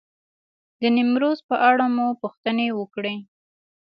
د نیمروز په اړه مو پوښتنې وکړې.